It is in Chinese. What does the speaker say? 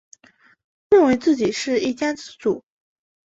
认为自己是一家之主